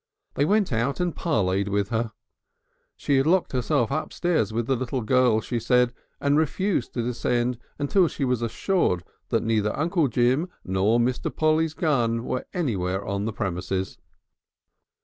They went out and parleyed with her. She had locked herself upstairs with the little girl, she said, and refused to descend until she was assured that neither Uncle Jim nor Mr. Polly's gun were anywhere on the premises.